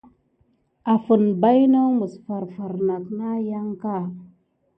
Afən baynawa amet ne ɗifta farfar kiy ɓubaha.